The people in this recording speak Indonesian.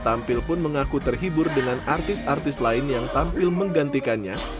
tampil pun mengaku terhibur dengan artis artis lain yang tampil menggantikannya